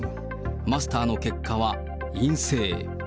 マスターの結果は陰性。